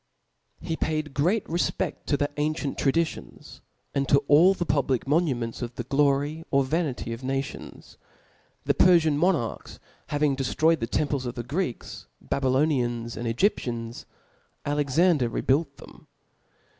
He paid a great rcfpeft to the ancipnt traditions, and to all the public monuments of the glory or vanity of nations. The Perlian nrjonarchs having deftroycd the temples of the Greeks, Babylonians, 0 S*if?» ^nd Egyptians, Alexander rebuilt then?